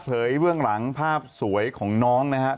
เบื้องหลังภาพสวยของน้องนะครับ